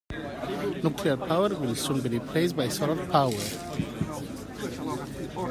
Nuclear power will soon be replaced by solar power.